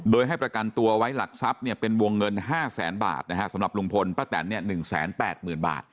โดยให้ประกันตัวไว้หลักทรัพย์เนี่ยเป็นวงเงินห้าแสนบาทนะฮะสำหรับลุงพลป้าแตนเนี่ยหนึ่งแสนแปดหมื่นบาท